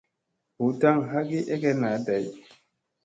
Hut taŋ ha ki egen naa day.